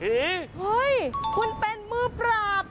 เฮ้ยคุณเป็นมือปราบ